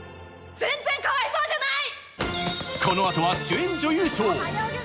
全然かわいそうじゃない！